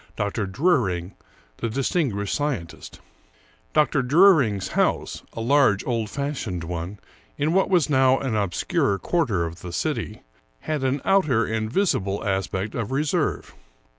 Dr. Druring, the distinguished scientist. Dr. Druring's house, a large, old fashioned one in what was now an obscure quarter of the city, had an outer and visible aspect of reserve.